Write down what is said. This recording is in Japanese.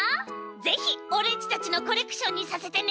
ぜひオレっちたちのコレクションにさせてね。